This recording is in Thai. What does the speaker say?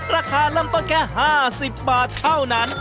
ราคาลำตอนแค่๕๐บาทเท่านั้น